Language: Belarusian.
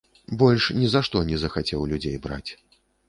Больш нізашто не захацеў людзей браць.